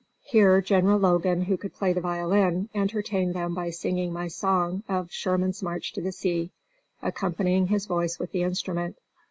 Here General Logan, who could play the violin, entertained them by singing my song of "Sherman's March to the Sea," accompanying his voice with the instrument.